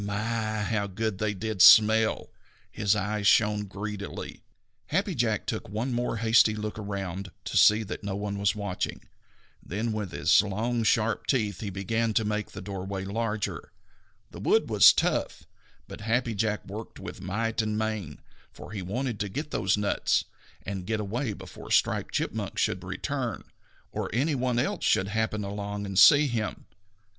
My, how good they did smell! His eyes shone greedily. Happy Jack took one more hasty look around to see that no one was watching, then with his long sharp teeth he began to make the doorway larger. The wood was tough, but Happy Jack worked with might and main, for he wanted to get those nuts and get away before Striped Chipmunk should return, or any one else should happen along and see him.